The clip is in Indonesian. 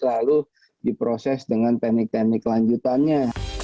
lalu diproses dengan teknik teknik lanjutannya